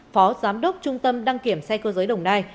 phó giám đốc trung tâm đăng kiểm xe cơ giới đồng nai